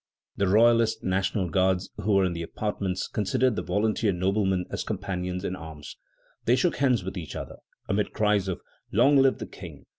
The royalist National Guards who were in the apartments considered the volunteer noblemen as companions in arms. They shook hands with each other amid cries of "Long live the King!